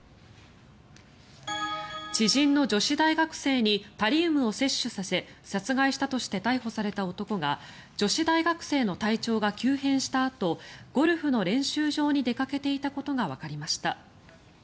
知人の女子大学生にタリウムを摂取させ殺害したとして逮捕された男が女子大学生の体調が急変したあとゴルフの練習場に出かけていたことがわかりました。